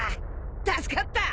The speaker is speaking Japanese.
助かった！